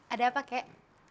ada apa kek